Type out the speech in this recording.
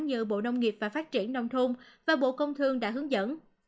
như bộ nông nghiệp và phát triển nông thôn và bộ công thương đã hướng dẫn